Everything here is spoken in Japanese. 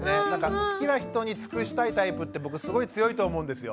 好きな人に尽くしたいタイプって僕すごい強いと思うんですよ。